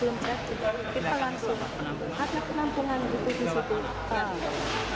kita langsung karena penampungan itu di situ